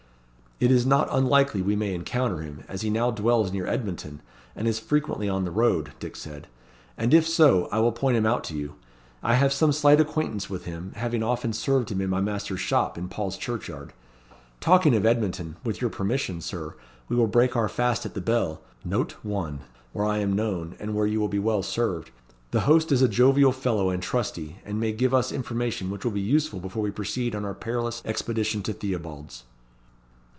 "It is not unlikely we may encounter him, as he now dwells near Edmonton, and is frequently on the road," Dick said; "and if so, I will point him out to you, I have some slight acquaintance with him, having often served him in my master's shop in Paul's Churchyard. Talking of Edmonton, with your permission, Sir, we will break our fast at the Bell, where I am known, and where you will be well served. The host is a jovial fellow and trusty, and may give us information which will be useful before we proceed on our perilous expedition to Theobalds."